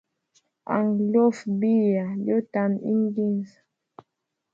Anga lyofa biya lyo tana inginza.